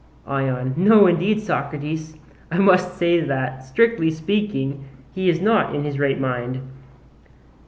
ION: No indeed, Socrates, I must say that, strictly speaking, he is not in his right mind.